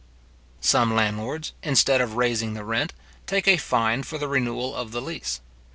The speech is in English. Some landlords, instead of raising the rent, take a fine for the renewal of the lease.